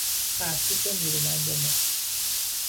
ارتش نیرومند ما